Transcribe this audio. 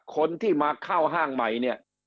คนที่มาเข้าห้างใหม่เนี่ย